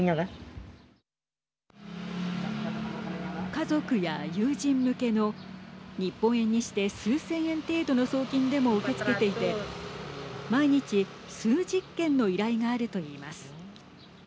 家族や友人向けの日本円にして数千円程度の送金でも受け付けていて毎日、数十件の依頼があるといいます。